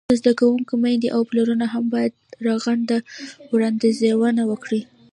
د زده کوونکو میندې او پلرونه هم باید رغنده وړاندیزونه وکړي.